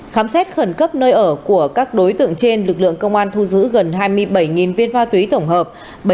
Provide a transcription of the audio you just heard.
khám xét khẩn cấp nơi ở của các đối tượng trên lực lượng công an thu giữ gần hai mươi bảy viên ma túy tổng hợp